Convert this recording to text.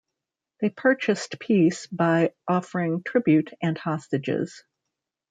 They purchased peace by offering tribute and hostages.